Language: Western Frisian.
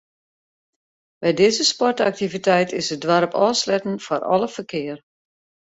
By dizze sportaktiviteit is it doarp ôfsletten foar alle ferkear.